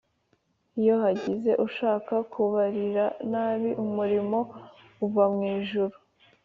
iyo hagize ushaka kubagirira nabi umuriro uva mu ijuru u